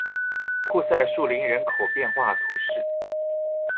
库赛树林人口变化图示